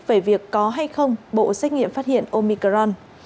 về việc có hay không bộ xét nghiệm phát hiện omicron